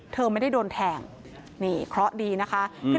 เธอไม่ได้โดนแทงนี่เคราะห์ดีนะคะ